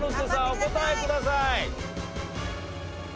お答えください。